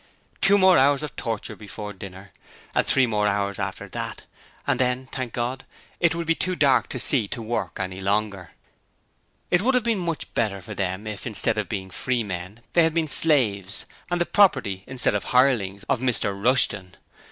Two more hours of torture before dinner; and three more hours after that. And then, thank God, it would be too dark to see to work any longer. It would have been much better for them if, instead of being 'Freemen', they had been slaves, and the property, instead of the hirelings, of Mr Rushton.